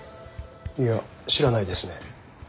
いや知らないですね。